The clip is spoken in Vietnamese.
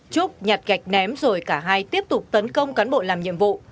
trúc nhặt gạch ném rồi cả hai tiếp tục tấn công cán bộ làm nhiệm vụ